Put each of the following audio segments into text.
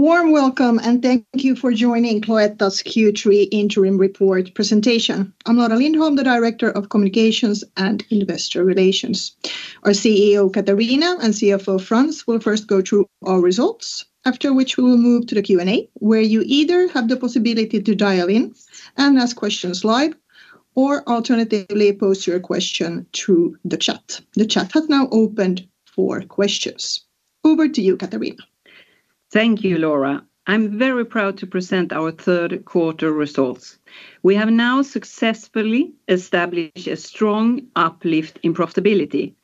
A warm welcome and thank you for joining Cloetta's Q3 Interim Report presentation. I'm Laura Lindholm, the Director of Communications and Investor Relations. Our CEO, Katarina, and CFO, Frans, will first go through our results, after which we will move to the Q&A, where you either have the possibility to dial in and ask questions live, or alternatively post your question through the chat. The chat has now opened for questions. Over to you, Katarina. Thank you, Laura. I'm very proud to present our third quarter results. We have now successfully established a strong uplift in profitability.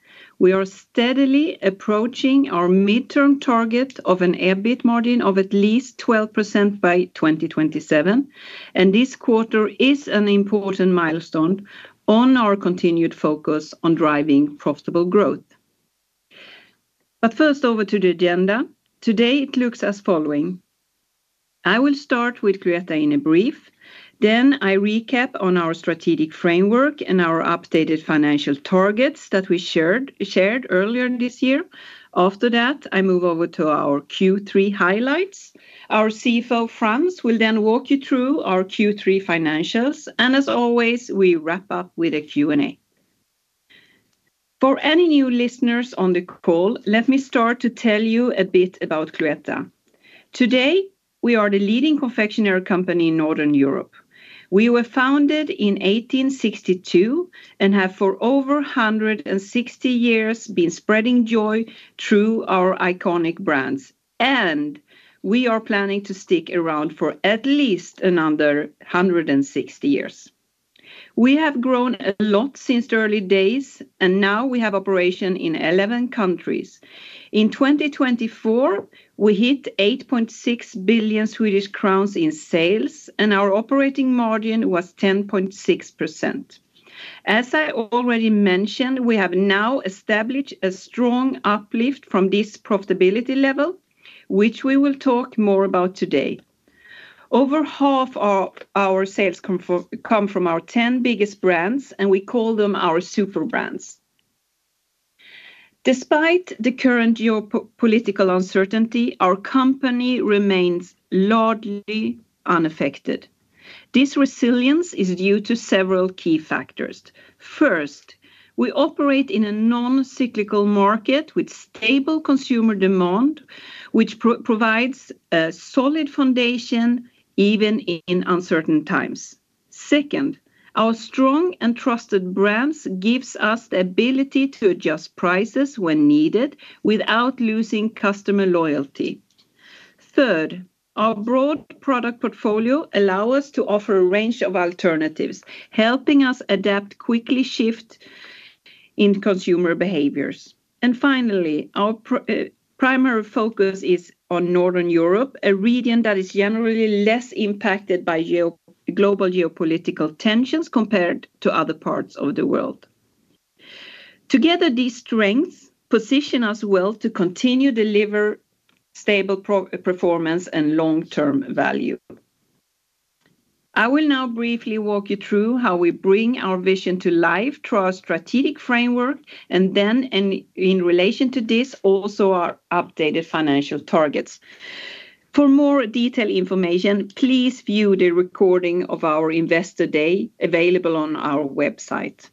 We are steadily approaching our midterm target of an EBIT margin of at least 12% by 2027, and this quarter is an important milestone on our continued focus on driving profitable growth. First, over to the agenda. Today, it looks as following. I will start with Cloetta in a brief. Then I recap on our strategic framework and our updated financial targets that we shared earlier this year. After that, I move over to our Q3 highlights. Our CFO, Frans, will then walk you through our Q3 financials, and as always, we wrap up with a Q&A. For any new listeners on the call, let me start to tell you a bit about Cloetta. Today, we are the leading confectionery company in Northern Europe. We were founded in 1862 and have for over 160 years been spreading joy through our iconic brands, and we are planning to stick around for at least another 160 years. We have grown a lot since the early days, and now we have operations in 11 countries. In 2024, we hit 8.6 billion Swedish crowns in sales, and our operating margin was 10.6%. As I already mentioned, we have now established a strong uplift from this profitability level, which we will talk more about today. Over half of our sales come from our 10 biggest brands, and we call them our super brands. Despite the current geopolitical uncertainty, our company remains largely unaffected. This resilience is due to several key factors. First, we operate in a non-cyclical market with stable consumer demand, which provides a solid foundation even in uncertain times. Second, our strong and trusted brands give us the ability to adjust prices when needed without losing customer loyalty. Third, our broad product portfolio allows us to offer a range of alternatives, helping us adapt quickly to shifts in consumer behaviors. Finally, our primary focus is on Northern Europe, a region that is generally less impacted by global geopolitical tensions compared to other parts of the world. Together, these strengths position us well to continue to deliver stable performance and long-term value. I will now briefly walk you through how we bring our vision to life through our strategic framework, and then, in relation to this, also our updated financial targets. For more detailed information, please view the recording of our Investor Day available on our website.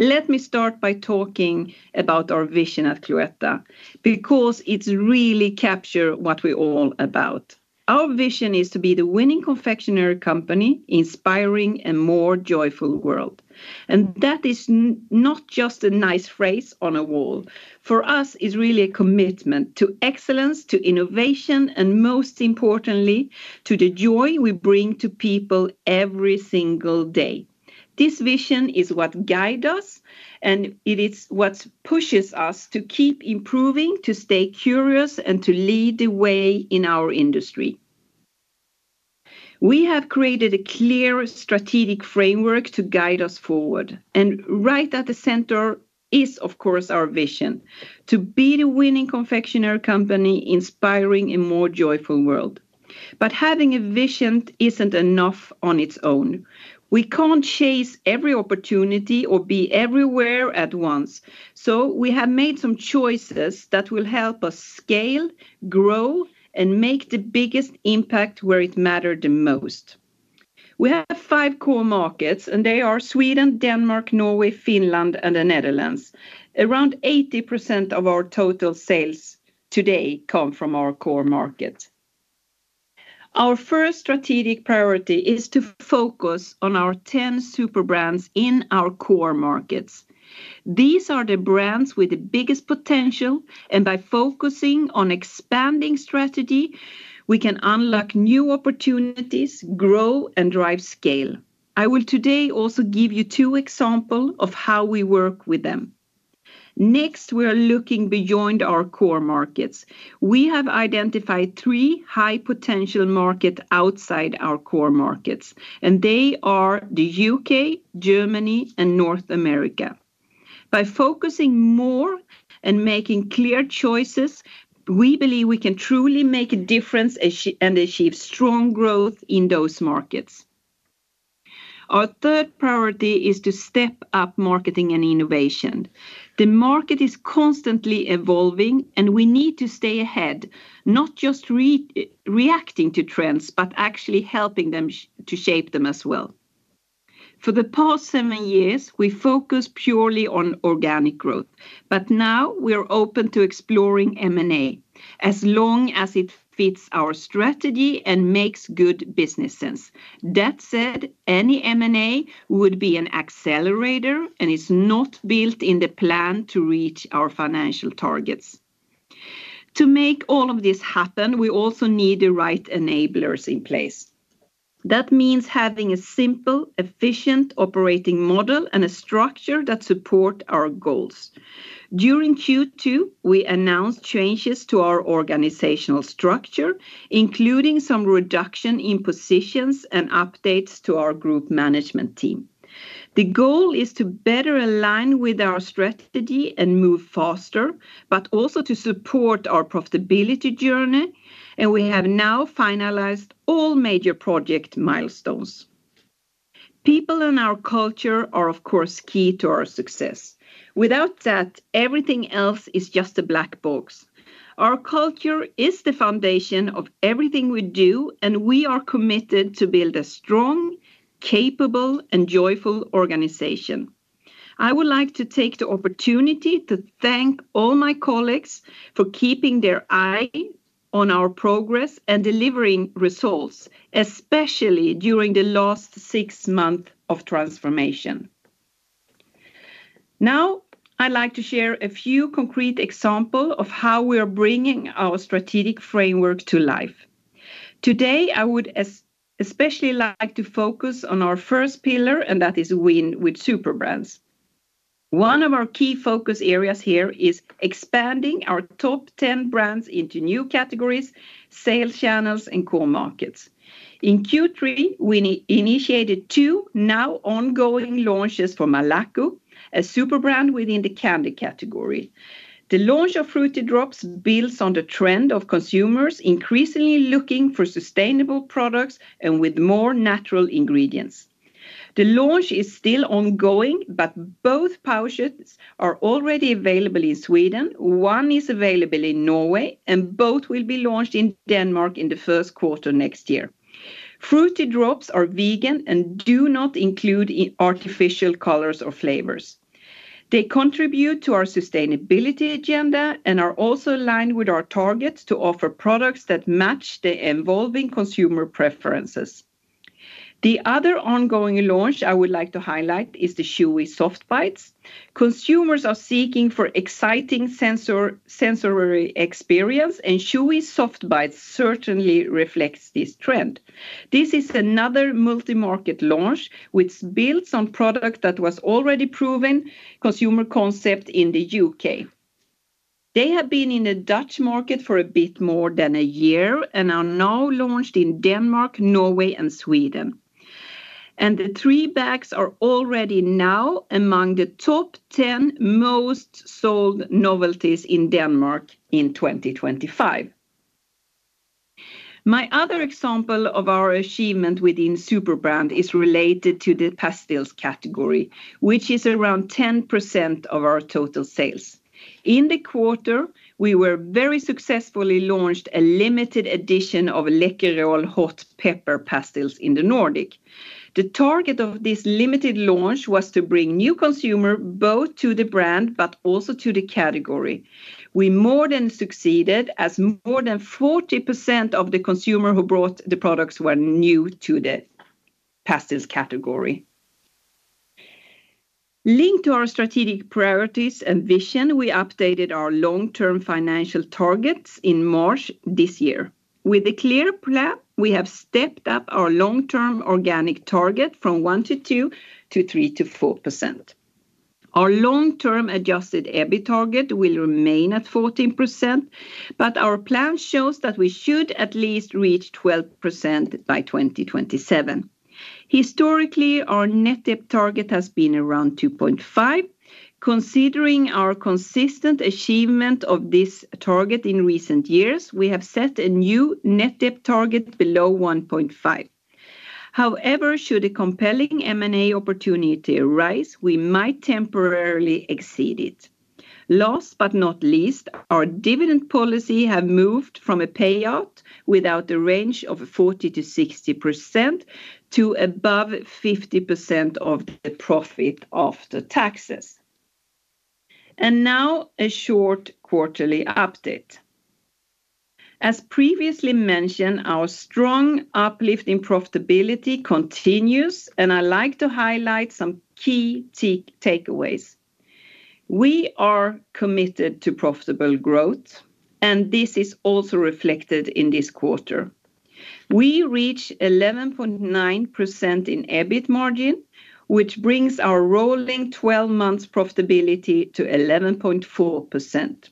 Let me start by talking about our vision at Cloetta because it really captures what we're all about. Our vision is to be the winning confectionery company inspiring a more joyful world. That is not just a nice phrase on a wall. For us, it's really a commitment to excellence, to innovation, and most importantly, to the joy we bring to people every single day. This vision is what guides us, and it is what pushes us to keep improving, to stay curious, and to lead the way in our industry. We have created a clear strategic framework to guide us forward. Right at the center is, of course, our vision: to be the winning confectionery company inspiring a more joyful world. Having a vision is not enough on its own. We can't chase every opportunity or be everywhere at once. We have made some choices that will help us scale, grow, and make the biggest impact where it matters the most. We have five core markets, and they are Sweden, Denmark, Norway, Finland, and the Netherlands. Around 80% of our total sales today come from our core markets. Our first strategic priority is to focus on our 10 super brands in our core markets. These are the brands with the biggest potential, and by focusing on expanding strategy, we can unlock new opportunities, grow, and drive scale. I will today also give you two examples of how we work with them. Next, we are looking beyond our core markets. We have identified three high-potential markets outside our core markets, and they are the U.K., Germany, and North America. By focusing more and making clear choices, we believe we can truly make a difference and achieve strong growth in those markets. Our third priority is to step up marketing and innovation. The market is constantly evolving, and we need to stay ahead, not just reacting to trends, but actually helping to shape them as well. For the past seven years, we focused purely on organic growth, but now we are open to exploring M&A as long as it fits our strategy and makes good business sense. That said, any M&A would be an accelerator and is not built in the plan to reach our financial targets. To make all of this happen, we also need the right enablers in place. That means having a simple, efficient operating model and a structure that supports our goals. During Q2, we announced changes to our organizational structure, including some reductions in positions and updates to our group management team. The goal is to better align with our strategy and move faster, but also to support our profitability journey. We have now finalized all major project milestones. People and our culture are, of course, key to our success. Without that, everything else is just a black box. Our culture is the foundation of everything we do, and we are committed to building a strong, capable, and joyful organization. I would like to take the opportunity to thank all my colleagues for keeping their eye on our progress and delivering results, especially during the last six months of transformation. Now, I'd like to share a few concrete examples of how we are bringing our strategic framework to life. Today, I would especially like to focus on our first pillar, and that is win with super brands. One of our key focus areas here is expanding our top 10 brands into new categories, sales channels, and core markets. In Q3, we initiated two now ongoing launches for Malaco, a super brand within the candy category. The launch of Fruity Drops builds on the trend of consumers increasingly looking for sustainable products and with more natural ingredients. The launch is still ongoing, but both pouches are already available in Sweden. One is available in Norway, and both will be launched in Denmark in the first quarter next year. Fruity Drops are vegan and do not include artificial colors or flavors. They contribute to our sustainability agenda and are also aligned with our targets to offer products that match the evolving consumer preferences. The other ongoing launch I would like to highlight is the Chewy Soft Bites. Consumers are seeking an exciting sensory experience, and Chewy Soft Bites certainly reflects this trend. This is another multi-market launch which builds on a product that was already a proven consumer concept in the U.K. They have been in the Dutch market for a bit more than a year and are now launched in Denmark, Norway, and Sweden. The three bags are already now among the top 10 most sold novelties in Denmark in 2025. My other example of our achievement within super brand is related to the pastilles category, which is around 10% of our total sales. In the quarter, we very successfully launched a limited edition of Läkerol hot pepper pastilles in the Nordic region. The target of this limited launch was to bring new consumers both to the brand but also to the category. We more than succeeded as more than 40% of the consumers who bought the products were new to the pastilles category. Linked to our strategic priorities and vision, we updated our long-term financial targets in March this year. With a clear plan, we have stepped up our long-term organic target from 1%-2% to 3%-4%. Our long-term adjusted EBIT target will remain at 14%, but our plan shows that we should at least reach 12% by 2027. Historically, our net EBIT target has been around 2.5%. Considering our consistent achievement of this target in recent years, we have set a new net EBIT target below 1.5%. However, should a compelling M&A opportunity arise, we might temporarily exceed it. Last but not least, our dividend policy has moved from a payout without a range of 40%-60% to above 50% of the profit after taxes. Now, a short quarterly update. As previously mentioned, our strong uplift in profitability continues, and I'd like to highlight some key takeaways. We are committed to profitable growth, and this is also reflected in this quarter. We reached 11.9% in EBIT margin, which brings our rolling 12-month profitability to 11.4%.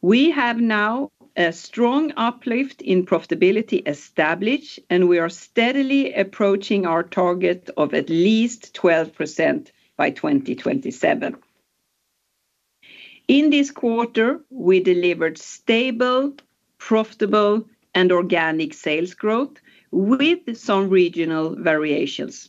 We have now a strong uplift in profitability established, and we are steadily approaching our target of at least 12% by 2027. In this quarter, we delivered stable, profitable, and organic sales growth with some regional variations.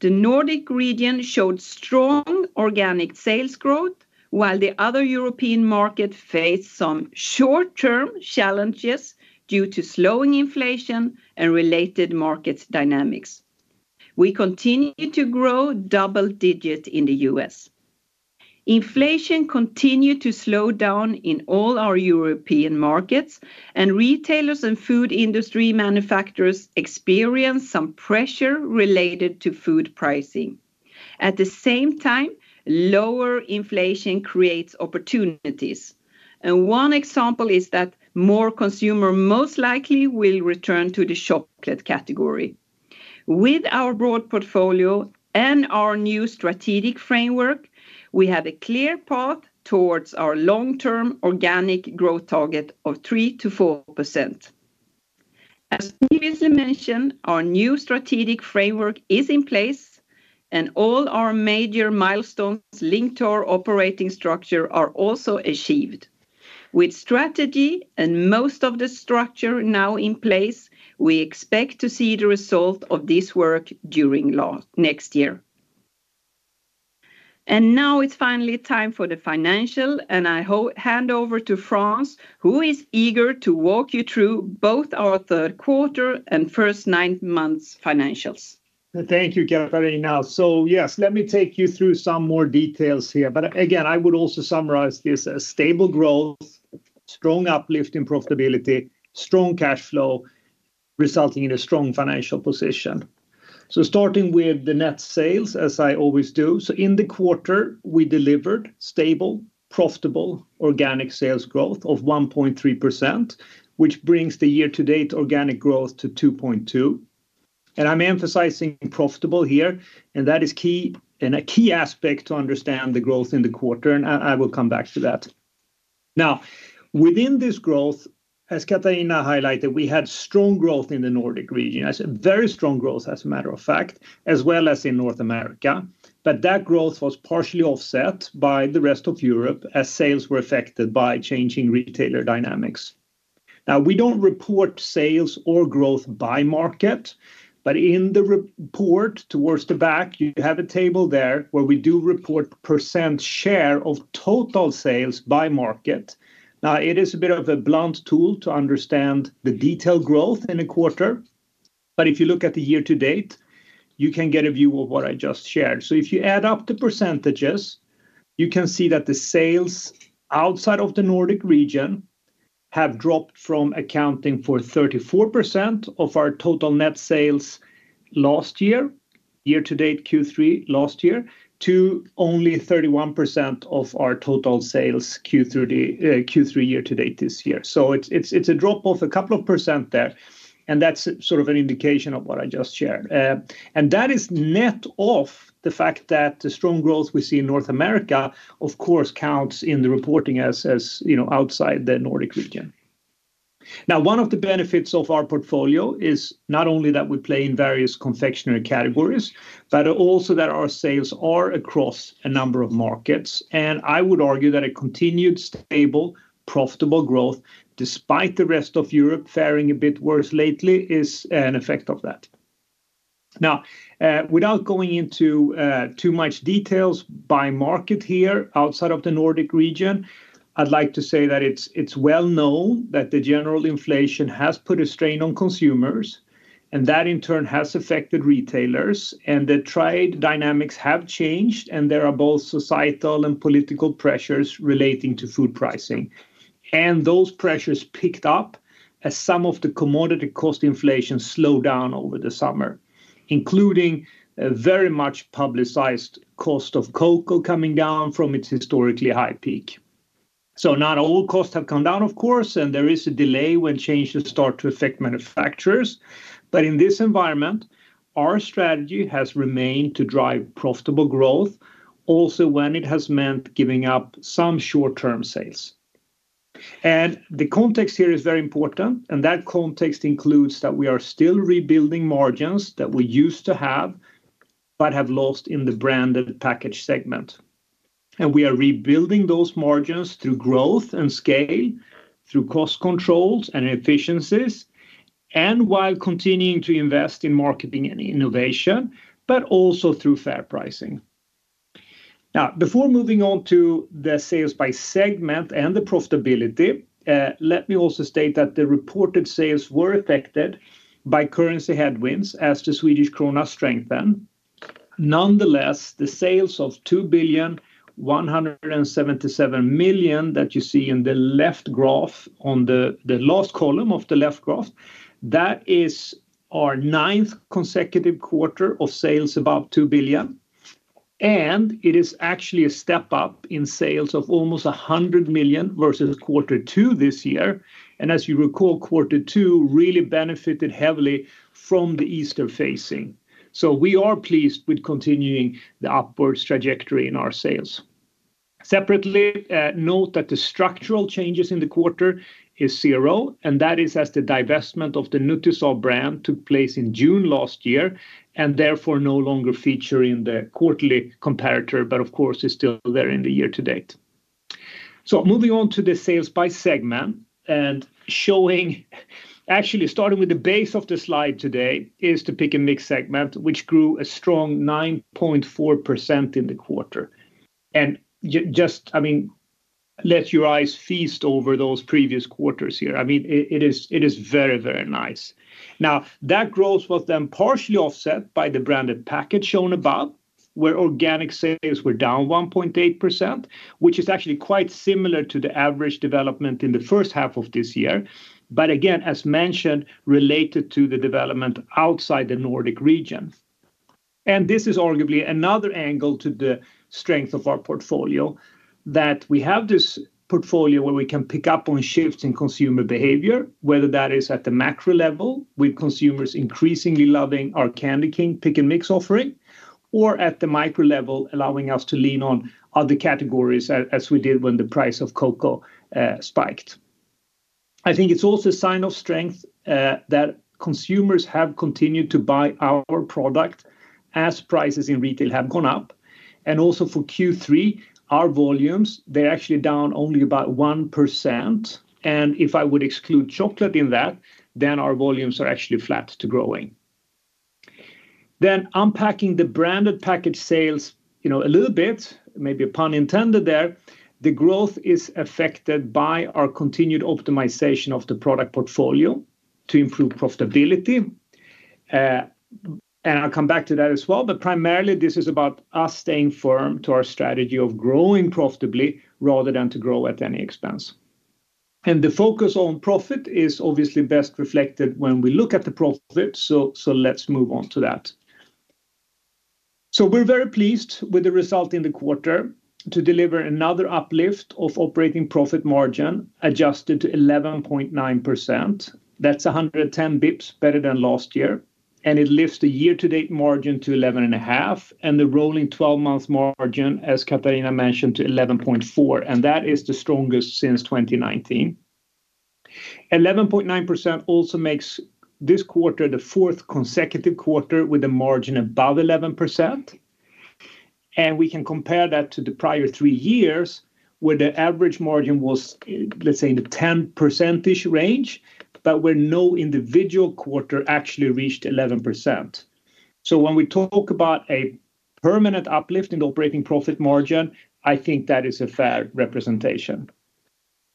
The Nordic region showed strong organic sales growth, while the other European markets faced some short-term challenges due to slowing inflation and related market dynamics. We continue to grow double-digit in the U.S. Inflation continued to slow down in all our European markets, and retailers and food industry manufacturers experienced some pressure related to food pricing. At the same time, lower inflation creates opportunities. One example is that more consumers most likely will return to the chocolate category. With our broad portfolio and our new strategic framework, we have a clear path towards our long-term organic growth target of 3%-4%. As previously mentioned, our new strategic framework is in place, and all our major milestones linked to our operating structure are also achieved. With strategy and most of the structure now in place, we expect to see the result of this work during next year. It is finally time for the financial, and I hand over to Frans, who is eager to walk you through both our third quarter and first nine months financials. Thank you, Katarina. Yes, let me take you through some more details here. Again, I would also summarize this as stable growth, strong uplift in profitability, strong cash flow, resulting in a strong financial position. Starting with the net sales, as I always do. In the quarter, we delivered stable, profitable, organic sales growth of 1.3%, which brings the year-to-date organic growth to 2.2%. I'm emphasizing profitable here, and that is a key aspect to understand the growth in the quarter, and I will come back to that. Now, within this growth, as Katarina highlighted, we had strong growth in the Nordic region, very strong growth, as a matter of fact, as well as in North America. That growth was partially offset by the rest of Europe as sales were affected by changing retailer dynamics. We do not report sales or growth by market, but in the report towards the back, you have a table there where we do report percent share of total sales by market. Now, it is a bit of a blunt tool to understand the detailed growth in a quarter, but if you look at the year-to-date, you can get a view of what I just shared. If you add up the percentages, you can see that the sales outside of the Nordic region have dropped from accounting for 34% of our total net sales last year, year-to-date Q3 last year, to only 31% of our total sales Q3 year-to-date this year. It is a drop of a couple of percent there, and that is sort of an indication of what I just shared. That is net off the fact that the strong growth we see in North America, of course, counts in the reporting as outside the Nordic region. Now, one of the benefits of our portfolio is not only that we play in various confectionery categories, but also that our sales are across a number of markets. I would argue that a continued stable, profitable growth, despite the rest of Europe faring a bit worse lately, is an effect of that. Now, without going into too much detail by market here outside of the Nordic region, I'd like to say that it's well known that the general inflation has put a strain on consumers, and that in turn has affected retailers, and the trade dynamics have changed, and there are both societal and political pressures relating to food pricing. Those pressures picked up as some of the commodity cost inflation slowed down over the summer, including a very much publicized cost of cocoa coming down from its historically high peak. Not all costs have come down, of course, and there is a delay when changes start to affect manufacturers. In this environment, our strategy has remained to drive profitable growth, also when it has meant giving up some short-term sales. The context here is very important, and that context includes that we are still rebuilding margins that we used to have, but have lost in the branded package segment. We are rebuilding those margins through growth and scale, through cost controls and efficiencies, and while continuing to invest in marketing and innovation, but also through fair pricing. Now, before moving on to the sales by segment and the profitability, let me also state that the reported sales were affected by currency headwinds as the Swedish krona strengthened. Nonetheless, the sales of 2,177 million that you see in the left graph on the last column of the left graph, that is our ninth consecutive quarter of sales above 2 billion. It is actually a step up in sales of almost 100 million versus quarter two this year. As you recall, quarter two really benefited heavily from the Easter facing. We are pleased with continuing the upward trajectory in our sales. Separately, note that the structural changes in the quarter is zero, and that is as the divestment of the Nutty Salt brand took place in June last year and therefore no longer featuring in the quarterly comparator, but of course, is still there in the year-to-date. Moving on to the sales by segment and showing, actually starting with the base of the slide today is the pick and mix segment, which grew a strong 9.4% in the quarter. And just, I mean, let your eyes feast over those previous quarters here. I mean, it is very, very nice. Now, that growth was then partially offset by the branded package shown above, where organic sales were down 1.8%, which is actually quite similar to the average development in the first half of this year. But again, as mentioned, related to the development outside the Nordic region. This is arguably another angle to the strength of our portfolio, that we have this portfolio where we can pick up on shifts in consumer behavior, whether that is at the macro level with consumers increasingly loving our Candy King pick and mix offering, or at the micro level, allowing us to lean on other categories as we did when the price of cocoa spiked. I think it is also a sign of strength that consumers have continued to buy our product as prices in retail have gone up. Also for Q3, our volumes, they are actually down only about 1%. If I would exclude chocolate in that, then our volumes are actually flat to growing. Unpacking the branded package sales a little bit, maybe a pun intended there, the growth is affected by our continued optimization of the product portfolio to improve profitability. I'll come back to that as well, but primarily, this is about us staying firm to our strategy of growing profitably rather than to grow at any expense. The focus on profit is obviously best reflected when we look at the profit. Let's move on to that. We're very pleased with the result in the quarter to deliver another uplift of operating profit margin adjusted to 11.9%. That's 110 basis points better than last year. It lifts the year-to-date margin to 11.5% and the rolling 12-month margin, as Katarina mentioned, to 11.4%. That is the strongest since 2019. 11.9% also makes this quarter the fourth consecutive quarter with a margin above 11%. We can compare that to the prior three years, where the average margin was, let's say, in the 10%-ish range, but where no individual quarter actually reached 11%. When we talk about a permanent uplift in the operating profit margin, I think that is a fair representation.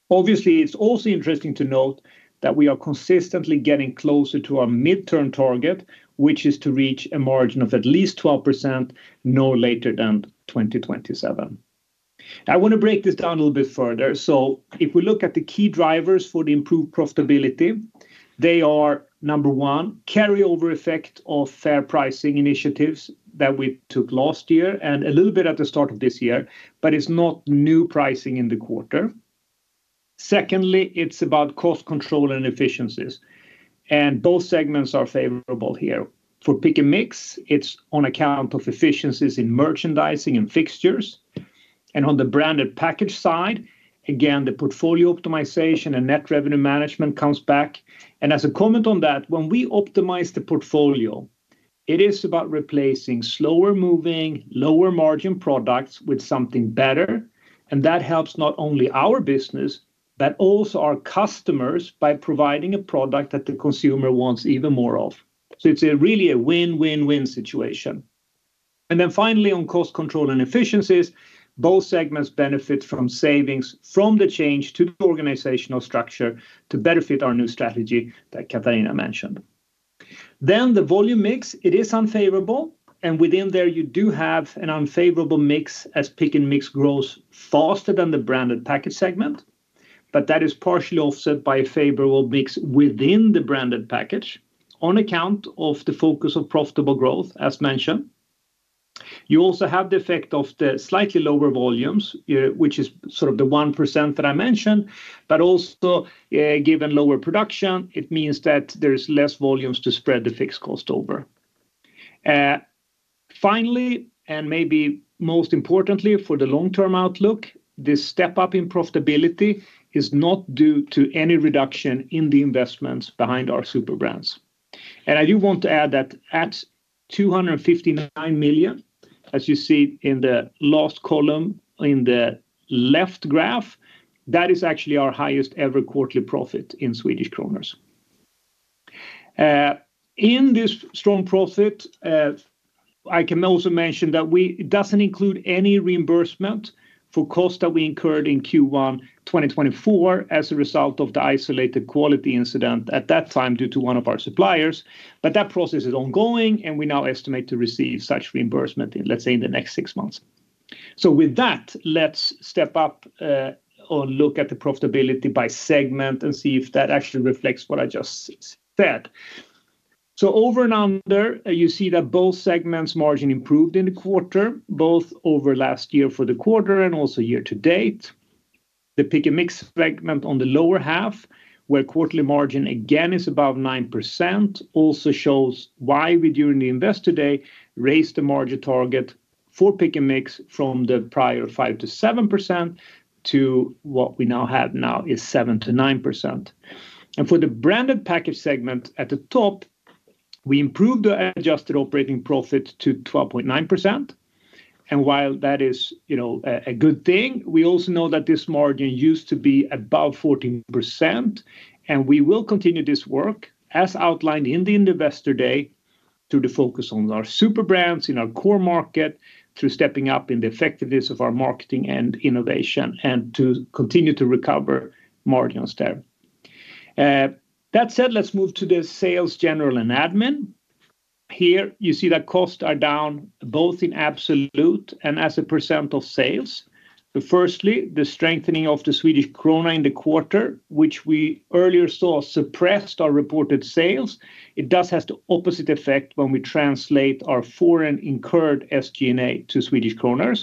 Obviously, it's also interesting to note that we are consistently getting closer to our midterm target, which is to reach a margin of at least 12% no later than 2027. I want to break this down a little bit further. If we look at the key drivers for the improved profitability, they are, number one, carryover effect of fair pricing initiatives that we took last year and a little bit at the start of this year, but it's not new pricing in the quarter. Secondly, it's about cost control and efficiencies. Both segments are favorable here. For pick and mix, it's on account of efficiencies in merchandising and fixtures. On the branded package side, again, the portfolio optimization and net revenue management comes back. As a comment on that, when we optimize the portfolio, it is about replacing slower-moving, lower-margin products with something better. That helps not only our business, but also our customers by providing a product that the consumer wants even more of. It is really a win-win-win situation. Finally, on cost control and efficiencies, both segments benefit from savings from the change to the organizational structure to better fit our new strategy that Katarina mentioned. The volume mix is unfavorable. Within there, you do have an unfavorable mix as pick and mix grows faster than the branded package segment. That is partially offset by a favorable mix within the branded package on account of the focus of profitable growth, as mentioned. You also have the effect of the slightly lower volumes, which is sort of the 1% that I mentioned. But also, given lower production, it means that there's less volumes to spread the fixed cost over. Finally, and maybe most importantly for the long-term outlook, this step up in profitability is not due to any reduction in the investments behind our superbrands. I do want to add that at 259 million, as you see in the last column in the left graph, that is actually our highest ever quarterly profit in Swedish kronor. In this strong profit, I can also mention that it doesn't include any reimbursement for costs that we incurred in Q1 2024 as a result of the isolated quality incident at that time due to one of our suppliers. That process is ongoing, and we now estimate to receive such reimbursement in, let's say, in the next six months. With that, let's step up. Look at the profitability by segment and see if that actually reflects what I just said. Over and under, you see that both segments' margin improved in the quarter, both over last year for the quarter and also year-to-date. The pick and mix segment on the lower half, where quarterly margin again is above 9%, also shows why we during the investor day raised the margin target for pick and mix from the prior 5%-7% to what we now have now is 7%-9%. For the branded package segment at the top, we improved the adjusted operating profit to 12.9%. While that is a good thing, we also know that this margin used to be above 14%. We will continue this work, as outlined in the investor day, through the focus on our superbrands in our core market, through stepping up in the effectiveness of our marketing and innovation, and to continue to recover margins there. That said, let's move to the sales general and admin. Here, you see that costs are down both in absolute and as a % of sales. Firstly, the strengthening of the Swedish krona in the quarter, which we earlier saw suppressed our reported sales, does have the opposite effect when we translate our foreign incurred SG&A to Swedish kronor.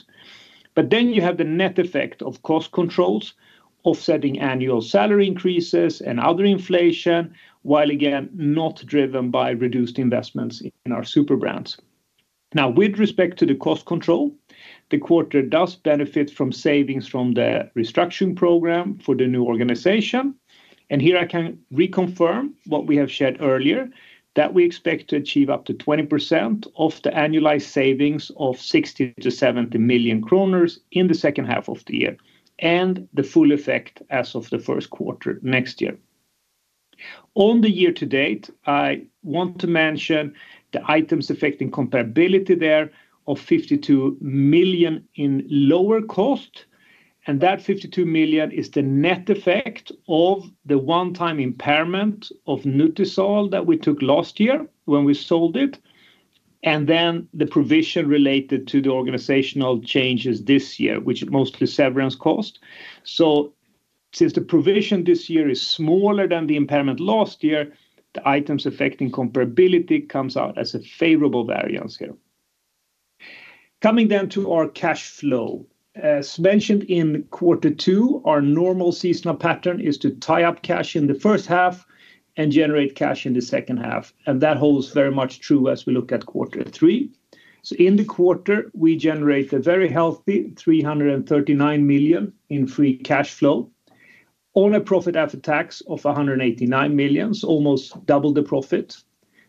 Then you have the net effect of cost controls, offsetting annual salary increases and other inflation, while again, not driven by reduced investments in our superbrands. Now, with respect to the cost control, the quarter does benefit from savings from the restructuring program for the new organization. Here I can reconfirm what we have shared earlier, that we expect to achieve up to 20% of the annualized savings of 60 million-70 million kronor in the second half of the year, and the full effect as of the first quarter next year. On the year-to-date, I want to mention the items affecting comparability there of 52 million in lower cost. That 52 million is the net effect of the one-time impairment of Nutty Salt that we took last year when we sold it, and then the provision related to the organizational changes this year, which is mostly severance cost. Since the provision this year is smaller than the impairment last year, the items affecting comparability comes out as a favorable variance here. Coming then to our cash flow. As mentioned in quarter two, our normal seasonal pattern is to tie up cash in the first half and generate cash in the second half. That holds very much true as we look at quarter three. In the quarter, we generate a very healthy 339 million in free cash flow on a profit after tax of 189 million, so almost double the profit.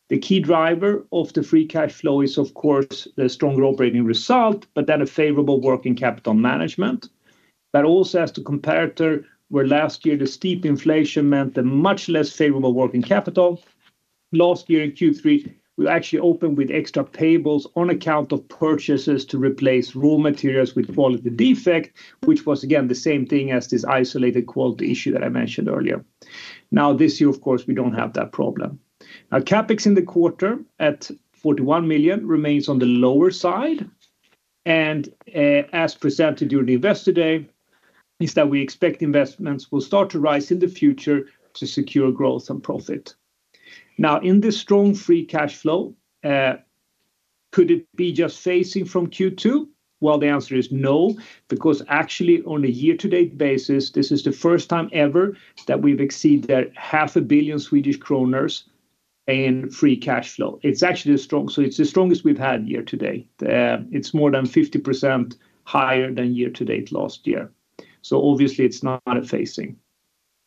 The key driver of the free cash flow is, of course, the stronger operating result, but then a favorable working capital management. Also, as the comparator, last year the steep inflation meant a much less favorable working capital. Last year in Q3, we actually opened with extra payables on account of purchases to replace raw materials with quality defect, which was again the same thing as this isolated quality issue that I mentioned earlier. Now, this year, of course, we do not have that problem. Now, CapEx in the quarter at 41 million remains on the lower side. As presented during the investor day, we expect investments will start to rise in the future to secure growth and profit. Now, in this strong free cash flow, could it be just phasing from Q2? The answer is no, because actually, on a year-to-date basis, this is the first time ever that we have exceeded 500,000,000 Swedish kronor in free cash flow. It is actually the strongest, so it is the strongest we have had year-to-date. It is more than 50% higher than year-to-date last year. Obviously, it is not a phasing.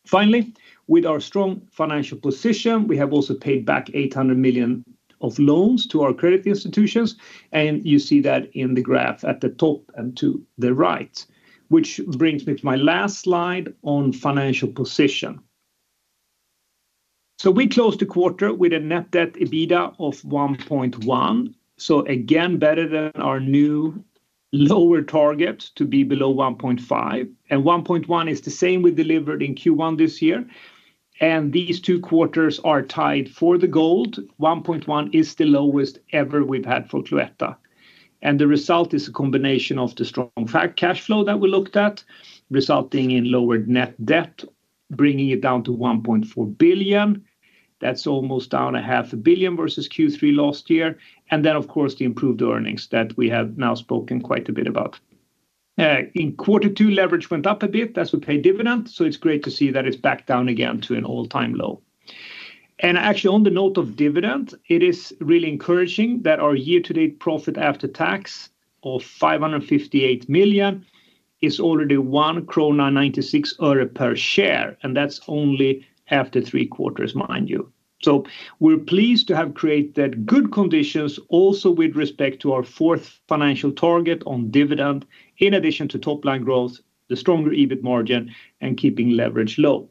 Finally, with our strong financial position, we have also paid back 800 million of loans to our credit institutions. You see that in the graph at the top and to the right, which brings me to my last slide on financial position. We closed the quarter with a net debt to EBITDA of 1.1. Again, better than our new lower target to be below 1.5. 1.1 is the same we delivered in Q1 this year. These two quarters are tied for the gold. 1.1 is the lowest ever we've had for Cloetta. The result is a combination of the strong cash flow that we looked at, resulting in lowered net debt, bringing it down to 1.4 billion. That's almost down 500,000,000 versus Q3 last year. Of course, the improved earnings that we have now spoken quite a bit about. In quarter two, leverage went up a bit as we pay dividend. It's great to see that it's back down again to an all-time low. Actually, on the note of dividend, it is really encouraging that our year-to-date profit after tax of 558 million is already EUR 1.96 per share. That's only after three quarters, mind you. We're pleased to have created good conditions also with respect to our fourth financial target on dividend, in addition to top-line growth, the stronger EBIT margin, and keeping leverage low.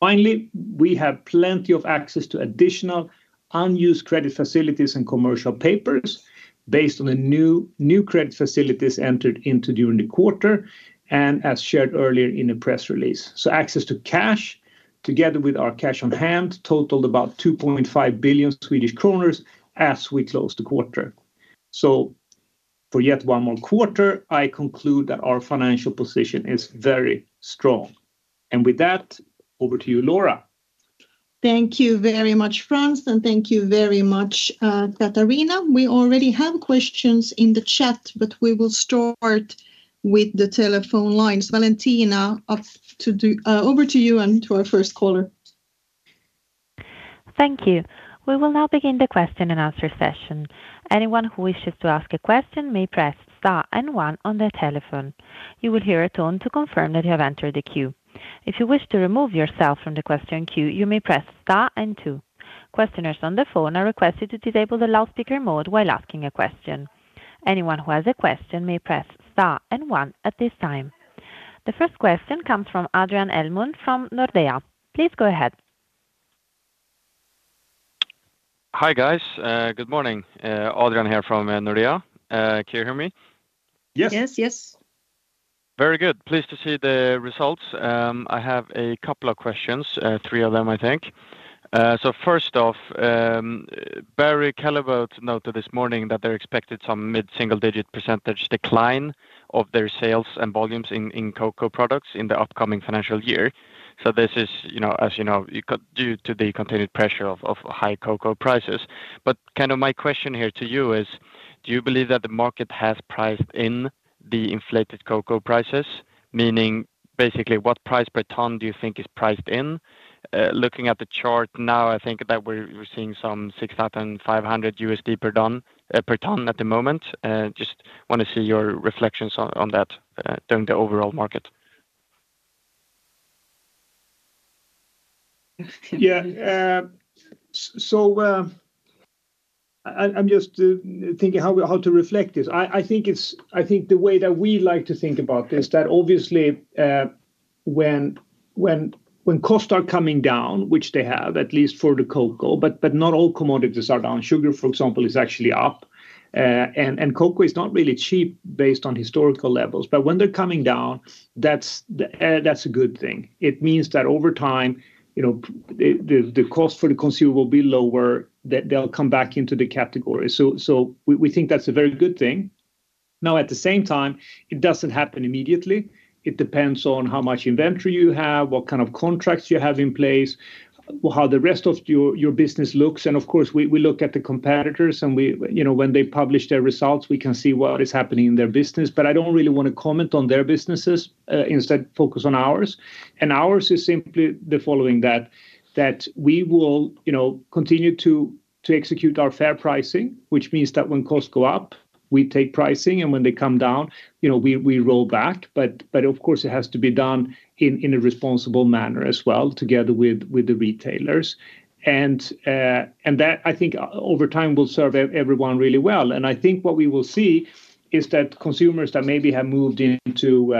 Finally, we have plenty of access to additional unused credit facilities and commercial papers based on the new credit facilities entered into during the quarter, as shared earlier in the press release. Access to cash, together with our cash on hand, totaled about 2.5 billion Swedish kronor as we closed the quarter. For yet one more quarter, I conclude that our financial position is very strong. With that, over to you, Laura. Thank you very much, Frans, and thank you very much, Katarina. We already have questions in the chat, but we will start with the telephone lines. Valentina, over to you and to our first caller. Thank you. We will now begin the question-and-answer session. Anyone who wishes to ask a question may press star and one on their telephone. You will hear a tone to confirm that you have entered the queue. If you wish to remove yourself from the question queue, you may press star and two. Questioners on the phone are requested to disable the loudspeaker mode while asking a question. Anyone who has a question may press Star and 1 at this time. The first question comes from Adrian Elmlund from Nordea. Please go ahead. Hi guys, good morning. Adrian here from Nordea. Can you hear me? Yes. Yes. Yes. Very good. Pleased to see the results. I have a couple of questions, three of them, I think. First off. Barry Callebaut noted this morning that they're expecting some mid-single-digit percentage decline of their sales and volumes in cocoa products in the upcoming financial year. This is, as you know, due to the continued pressure of high cocoa prices. My question here to you is, do you believe that the market has priced in the inflated cocoa prices? Meaning, basically, what price per ton do you think is priced in? Looking at the chart now, I think that we're seeing some $6,500 per ton at the moment. Just want to see your reflections on that during the overall market. Yeah. I'm just thinking how to reflect this. I think the way that we like to think about this is that obviously. When costs are coming down, which they have, at least for the cocoa, but not all commodities are down. Sugar, for example, is actually up. And cocoa is not really cheap based on historical levels. When they're coming down, that's a good thing. It means that over time the cost for the consumer will be lower, that they'll come back into the category. We think that's a very good thing. Now, at the same time, it does not happen immediately. It depends on how much inventory you have, what kind of contracts you have in place, how the rest of your business looks. Of course, we look at the competitors, and when they publish their results, we can see what is happening in their business. I do not really want to comment on their businesses. Instead, focus on ours. Ours is simply the following: that we will. Continue to execute our fair pricing, which means that when costs go up, we take pricing. When they come down, we roll back. Of course, it has to be done in a responsible manner as well, together with the retailers. That, I think, over time will serve everyone really well. I think what we will see is that consumers that maybe have moved into,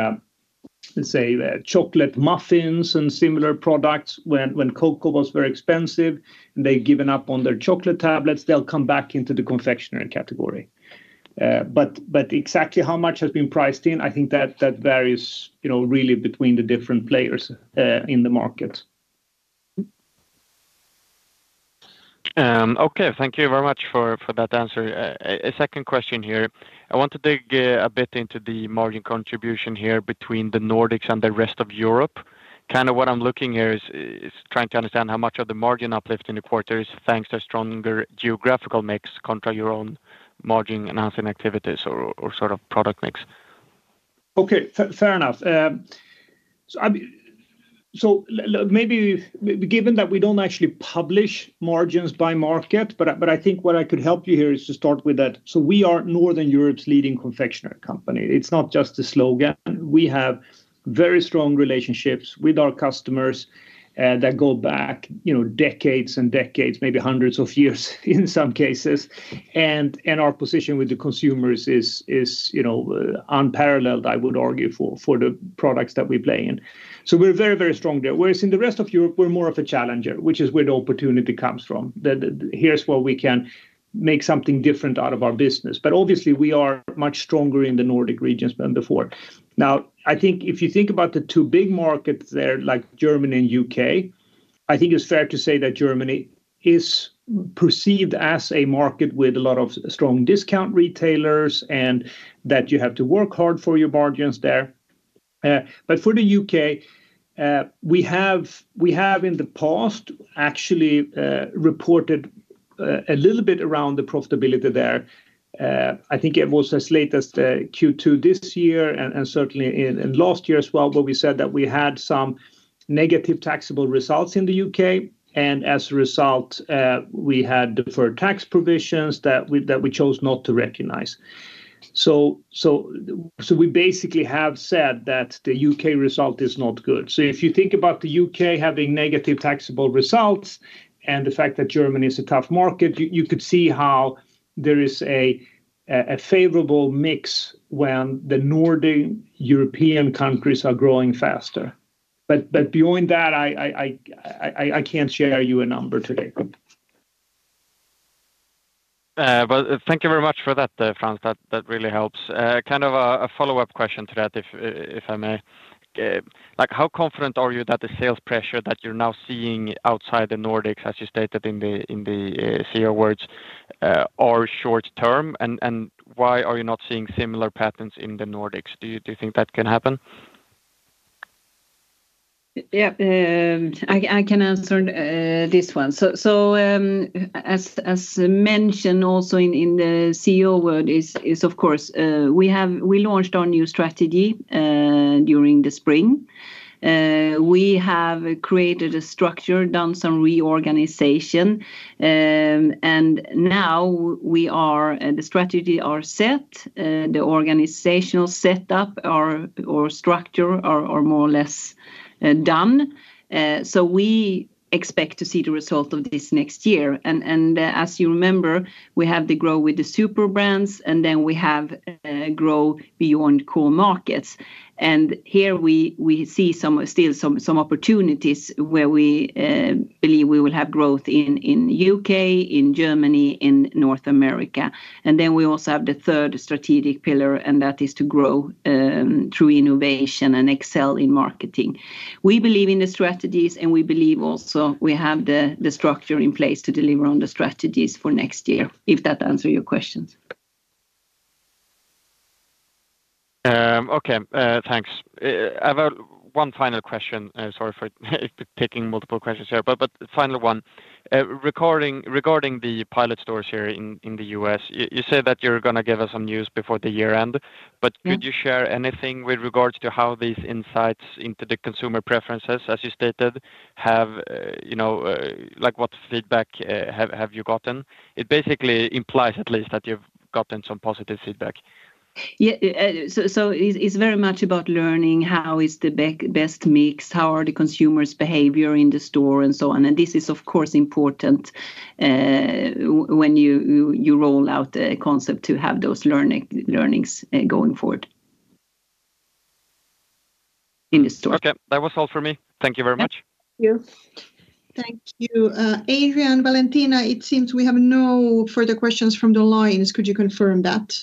let's say, chocolate muffins and similar products when cocoa was very expensive, and they've given up on their chocolate tablets, they'll come back into the confectionery category. Exactly how much has been priced in, I think that varies really between the different players in the market. Okay, thank you very much for that answer. A second question here. I want to dig a bit into the margin contribution here between the Nordics and the rest of Europe. Kind of what I'm looking here is trying to understand how much of the margin uplift in the quarter is thanks to stronger geographical mix contra your own margin enhancing activities or sort of product mix. Okay, fair enough. Maybe given that we do not actually publish margins by market, but I think what I could help you here is to start with that. We are Northern Europe's leading confectionery company. It is not just a slogan. We have very strong relationships with our customers that go back decades and decades, maybe hundreds of years in some cases. Our position with the consumers is unparalleled, I would argue, for the products that we play in. We are very, very strong there. Whereas in the rest of Europe, we are more of a challenger, which is where the opportunity comes from. Here's where we can make something different out of our business. Obviously, we are much stronger in the Nordic region than before. Now, I think if you think about the two big markets there, like Germany and the U.K., I think it's fair to say that Germany is perceived as a market with a lot of strong discount retailers and that you have to work hard for your margins there. For the U.K., we have in the past actually reported a little bit around the profitability there. I think it was as late as Q2 this year and certainly in last year as well, where we said that we had some negative taxable results in the U.K. As a result, we had deferred tax provisions that we chose not to recognize. We basically have said that the U.K. result is not good. If you think about the U.K. having negative taxable results and the fact that Germany is a tough market, you could see how there is a favorable mix when the Nordic European countries are growing faster. Beyond that, I can't share you a number today. Thank you very much for that, Frans. That really helps. Kind of a follow-up question to that, if I may. How confident are you that the sales pressure that you're now seeing outside the Nordics, as you stated in the CEO words, are short-term? Why are you not seeing similar patterns in the Nordics? Do you think that can happen? Yeah, I can answer this one. As mentioned also in the CEO word, of course, we launched our new strategy during the spring. We have created a structure, done some reorganization, and now the strategy is set. The organizational setup or structure are more or less done. We expect to see the result of this next year. As you remember, we have the grow with the super brands, and then we have grow beyond core markets. Here we see still some opportunities where we believe we will have growth in the U.K., in Germany, in North America. We also have the third strategic pillar, and that is to grow through innovation and excel in marketing. We believe in the strategies, and we believe also we have the structure in place to deliver on the strategies for next year, if that answers your questions. Okay, thanks. I have one final question. Sorry for taking multiple questions here, but final one. Regarding the pilot stores here in the U.S., you said that you're going to give us some news before the year-end, but could you share anything with regards to how these insights into the consumer preferences, as you stated, have. What feedback have you gotten? It basically implies at least that you've gotten some positive feedback. Yeah. It is very much about learning how is the best mix, how are the consumers' behavior in the store, and so on. This is, of course, important. When you roll out a concept to have those learnings going forward. In the store. Okay, that was all for me. Thank you very much. Thank you. Thank you. Adrian, Valentina, it seems we have no further questions from the lines. Could you confirm that?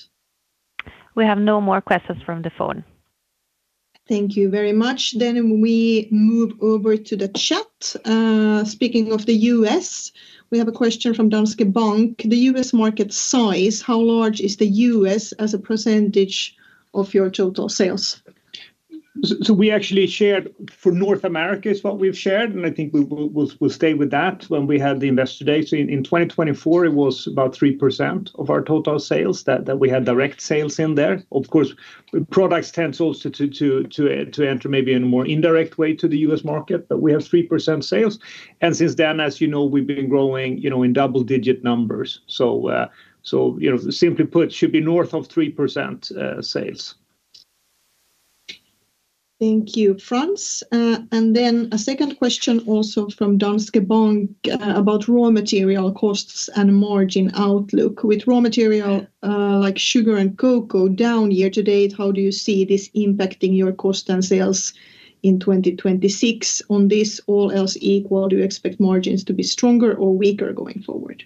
We have no more questions from the phone. Thank you very much. Then we move over to the chat. Speaking of the U.S., we have a question from Danske Bank. The U.S. market size, how large is the U.S. as a percentage of your total sales? We actually shared for North America is what we have shared, and I think we will stay with that when we had the investor data. In 2024, it was about 3% of our total sales that we had direct sales in there. Of course, products tend also to enter maybe in a more indirect way to the U.S. market, but we have 3% sales. Since then, as you know, we have been growing in double-digit numbers. Simply put, it should be north of 3% sales. Thank you, Frans. A second question also from Danske Bank about raw material costs and margin outlook. With raw material like sugar and cocoa down year to date, how do you see this impacting your cost and sales in 2026? On this, all else equal, do you expect margins to be stronger or weaker going forward?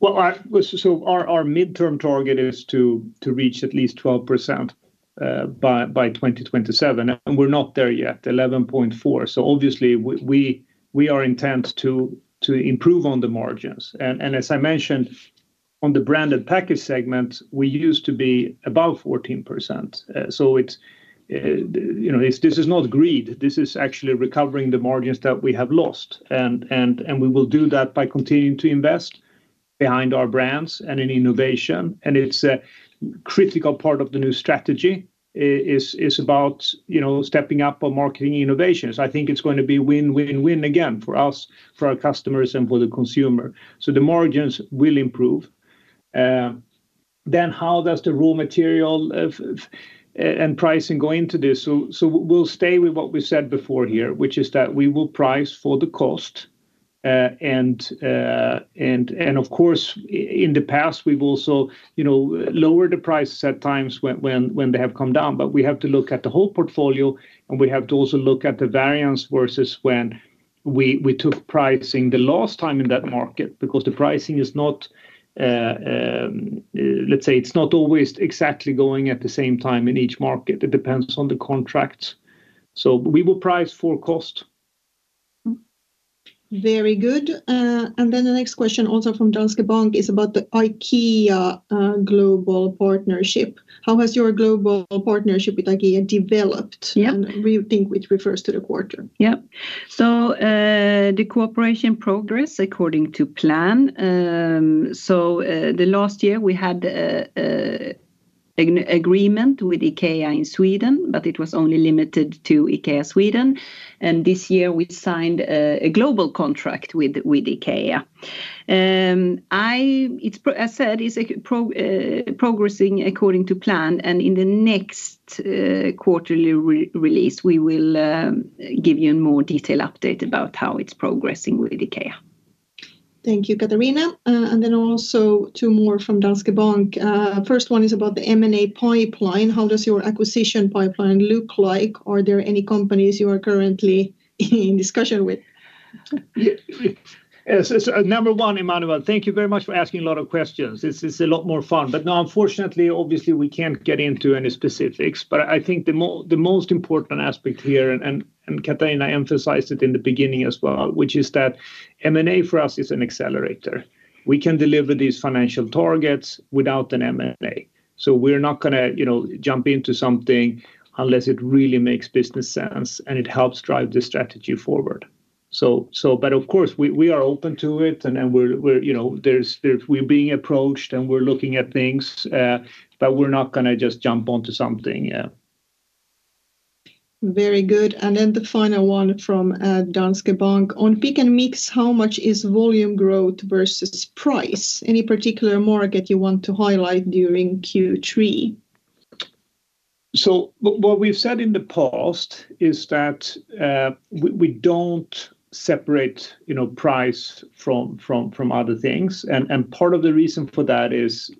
Our midterm target is to reach at least 12% by 2027. We are not there yet, 11.4%. Obviously, we are intent to improve on the margins. As I mentioned, on the branded package segment, we used to be above 14%. This is not greed. This is actually recovering the margins that we have lost. We will do that by continuing to invest behind our brands and in innovation. It is a critical part of the new strategy. It is about stepping up on marketing innovations. I think it is going to be win, win, win again for us, for our customers, and for the consumer. The margins will improve. How does the raw material and pricing go into this? We will stay with what we said before here, which is that we will price for the cost. Of course, in the past, we've also lowered the prices at times when they have come down. We have to look at the whole portfolio, and we have to also look at the variance versus when we took pricing the last time in that market. The pricing is not always exactly going at the same time in each market. It depends on the contracts. We will price for cost. Very good. The next question also from Danske Bank is about the IKEA global partnership. How has your global partnership with IKEA developed? We think which refers to the quarter. Yeah. The cooperation progressed according to plan. The last year, we had an agreement with IKEA in Sweden, but it was only limited to IKEA Sweden. This year, we signed a global contract with IKEA. As I said, it is progressing according to plan. In the next quarterly release, we will give you a more detailed update about how it is progressing with IKEA. Thank you, Katarina. Also, two more from Danske Bank. The first one is about the M&A pipeline. How does your acquisition pipeline look like? Are there any companies you are currently in discussion with? Number one, Emmanuel, thank you very much for asking a lot of questions. This is a lot more fun. Unfortunately, obviously, we cannot get into any specifics. I think the most important aspect here, and Katarina emphasized it in the beginning as well, which is that M&A for us is an accelerator. We can deliver these financial targets without an M&A. We are not going to jump into something unless it really makes business sense and it helps drive the strategy forward. Of course, we are open to it, and we're being approached, and we're looking at things, but we're not going to just jump onto something. Very good. The final one from Danske Bank. On pick and mix, how much is volume growth versus price? Any particular market you want to highlight during Q3? What we've said in the past is that we don't separate price from other things. Part of the reason for that is.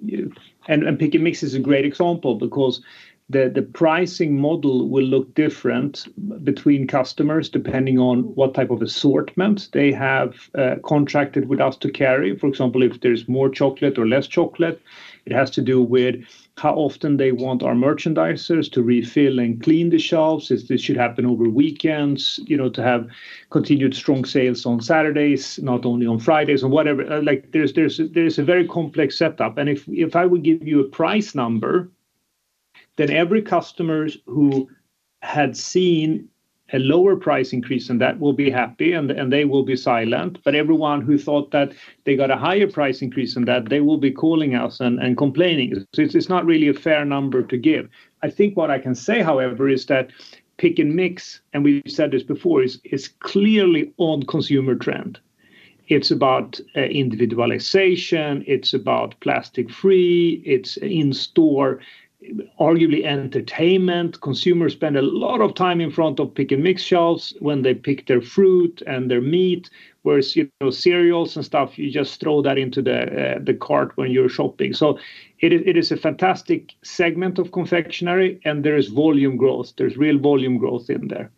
Pick and mix is a great example because the pricing model will look different between customers depending on what type of assortment they have contracted with us to carry. For example, if there is more chocolate or less chocolate, it has to do with how often they want our merchandisers to refill and clean the shelves. This should happen over weekends to have continued strong sales on Saturdays, not only on Fridays, on whatever. There is a very complex setup. If I would give you a price number, then every customer who had seen a lower price increase than that will be happy, and they will be silent. Everyone who thought that they got a higher price increase than that, they will be calling us and complaining. It is not really a fair number to give. I think what I can say, however, is that pick and mix, and we've said this before, is clearly on consumer trend. It's about individualization. It's about plastic-free. It's in-store. Arguably entertainment. Consumers spend a lot of time in front of pick and mix shelves when they pick their fruit and their meat, whereas cereals and stuff, you just throw that into the cart when you're shopping. It is a fantastic segment of confectionery, and there is volume growth. There's real volume growth in there.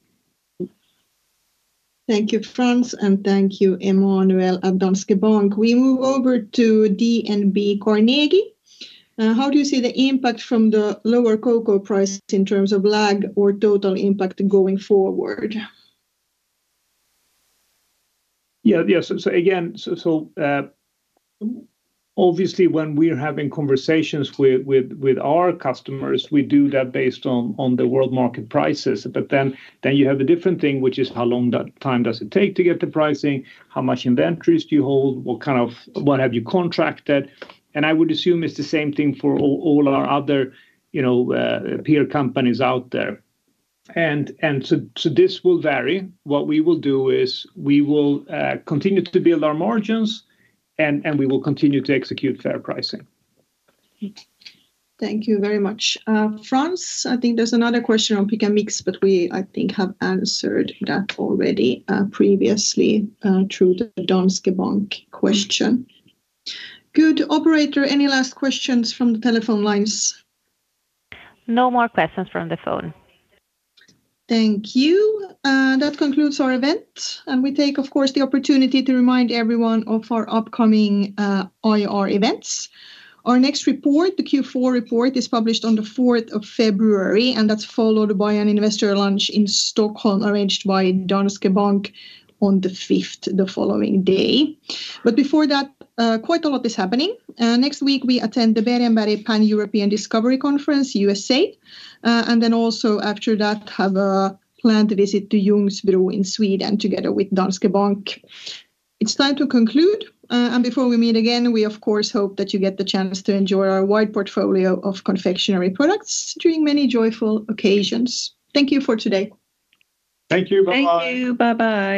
Thank you, Frans. And thank you, Emmanuel, at Danske Bank. We move over to DNB Carnegie. How do you see the impact from the lower cocoa price in terms of lag or total impact going forward? Yeah. Again, obviously, when we're having conversations with our customers, we do that based on the world market prices. Then you have a different thing, which is how long time does it take to get the pricing? How much inventories do you hold? What have you contracted? I would assume it is the same thing for all our other peer companies out there. This will vary. What we will do is we will continue to build our margins, and we will continue to execute fair pricing. Thank you very much. Frans, I think there is another question on pick and mix, but I think we have answered that already previously through the Danske Bank question. Good. Operator, any last questions from the telephone lines? No more questions from the phone. Thank you. That concludes our event. We take, of course, the opportunity to remind everyone of our upcoming IR events. Our next report, the Q4 report, is published on the 4th of February, and that's followed by an investor lunch in Stockholm arranged by Danske Bank on the 5th, the following day. Quite a lot is happening before that. Next week, we attend the Bergenberry Pan-European Discovery Conference, USA. After that, we also have a planned visit to Jungsbro in Sweden together with Danske Bank. It's time to conclude. Before we meet again, we, of course, hope that you get the chance to enjoy our wide portfolio of confectionery products during many joyful occasions. Thank you for today. Thank you. Bye-bye. Thank you. Bye-bye.